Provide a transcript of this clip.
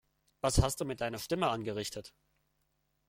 Was hast du mit deiner Stimme angerichtet?